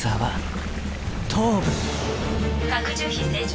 拡充比正常。